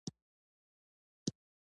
تور سوري قوي جاذبه لري.